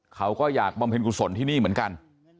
เขาก็อยากบำเพ็ญกุศลที่นี่เหมือนกัน